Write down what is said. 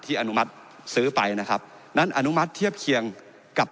อนุมัติซื้อไปนะครับนั้นอนุมัติเทียบเคียงกับ